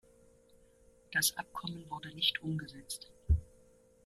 Das Abkommen wurde nicht umgesetzt.